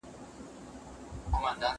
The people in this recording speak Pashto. زه پرون انځور وليد